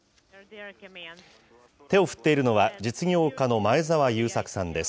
手を振っているのは、実業家の前澤友作さんです。